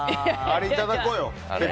あれ、いただこうよ。